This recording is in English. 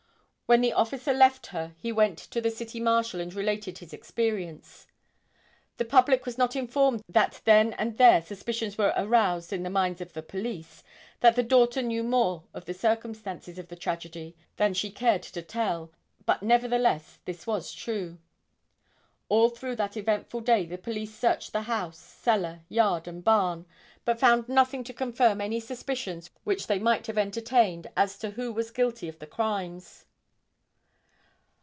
When the officer left her he went to the City Marshal and related his experience. The public was not informed that then and there suspicions were aroused in the minds of the police that the daughter knew more of the circumstances of the tragedy then she cared to tell, but nevertheless this was true. All through that eventful day the police searched the house, cellar, yard and barn but found nothing to confirm any suspicions which they might have entertained as to who was guilty of the crimes.